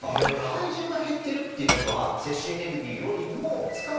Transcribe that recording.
体重が減ってるっていうことは。